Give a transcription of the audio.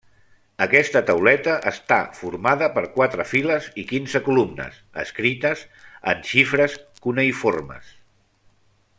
Aquesta tauleta està formada per quatre files i quinze columnes, escrites en xifres cuneïformes.